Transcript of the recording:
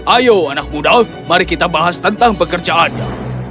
ayo anak muda mari kita bahas tentang pekerjaannya